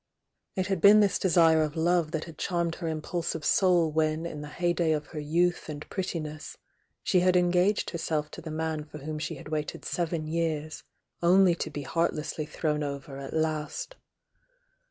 It had been this desire of love that had charmed her impulsive soul when in the heyday of her youth and prettiness, she had engaged herself to the man for whom she had waited seven years, only to be heartlessly thrown over at last.